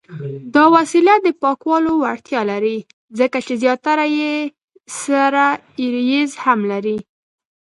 دا وسیله د پاکولو وړتیا لري، ځکه چې زیاتره یې سره ایریزر هم لري.